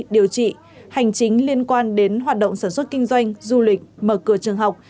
điều trị hành chính liên quan đến hoạt động sản xuất kinh doanh du lịch mở cửa trường học